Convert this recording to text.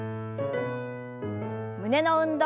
胸の運動。